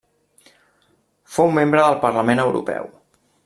Fou membre del Parlament Europeu.